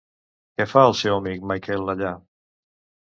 Què fa el seu amic Michael allà?